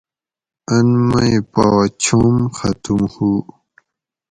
ان مئ پا چھم ختم ہُو